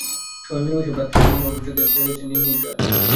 সবাই মিলেমিশে ভ্রাতৃত্বের বন্ধন অটুট রেখে সেরে যাচ্ছেন নিজ নিজ কাজ।